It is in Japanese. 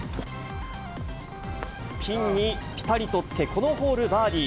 ピンにぴたりとつけ、このホール、バーディー。